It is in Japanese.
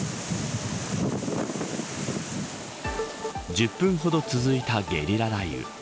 １０分ほど続いたゲリラ雷雨。